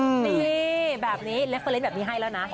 นี่แบบนี้เล็กเฟอร์เนสแบบนี้ให้แล้วนะ